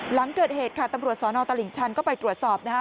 หลังเกิดเหตุค่ะตำรวจสนตลิ่งชันก็ไปตรวจสอบนะคะ